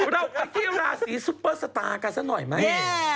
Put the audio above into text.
เราไปที่ราศีซุปเปอร์สตาร์กันสักหน่อยไหม